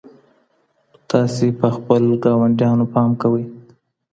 تاسي په خپلو ګاونډیانو پام کوئ.